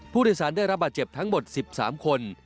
ผู้โดยสารได้รับบาดเจ็บทั้งหมด๑๓คน